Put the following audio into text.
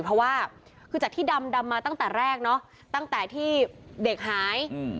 เพราะว่าคือจากที่ดำมาตั้งแต่แรกเนอะตั้งแต่ที่เด็กหาย